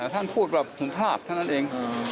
ท่านพูดแบบสุภาพเท่านั้นเอง